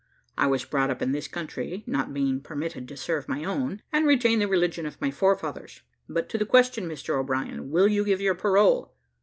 I was brought up in this country, not being permitted to serve my own, and retain the religion of my forefathers. But to the question, Mr O'Brien, will you give your parole?"